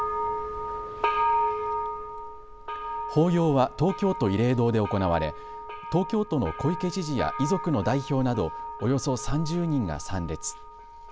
法要は東京都慰霊堂で行われ東京都の小池知事や遺族の代表などおよそ３０人が参列。